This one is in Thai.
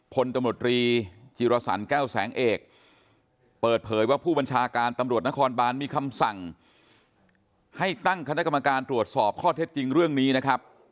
พลตำรวจรีจิรสันแก้วแสงเอกเปิดเผยว่าผู้บัญชาการตำรวจนครบานมีคำสั่งให้ตั้งคณะกรรมการตรวจสอบข้อเท็จจริงเรื่องนี้นะครับ